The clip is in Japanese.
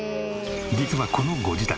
実はこのご自宅。